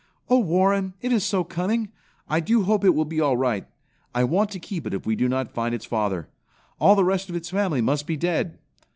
Oh, Warren, it is so cunning! I do hope it will be all right. I want to keep it if we do not find its father. All the rest of its family must be dead."